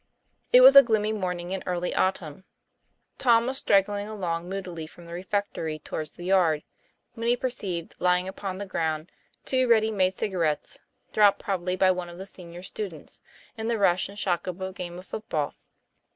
It was a gloomy morning in early autumn. Tom was straggling along moodily from the refectory towards the yard, when he perceived lying upon the ground two ready made cigarettes, dropped, probably, by one of the senior students in the rush and shock of a game of foot ball.